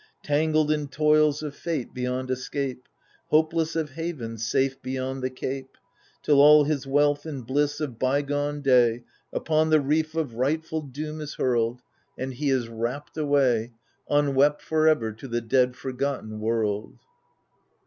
Tangled in toils of Fate beyond escape, Hopeless of haven safe beyond the cape — rill all his wealth and bliss of bygone day Upon the reef of Rightft;! Doom is hurled, THE FURIES i6i And he is rapt away Unwept, for ever, to the dead forgotten world.